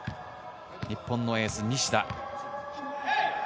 日本のエース・西田。